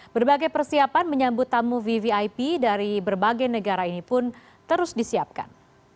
berbagai persiapan menyambut tamu vvip dari berbagai negara ini pun terus disiapkan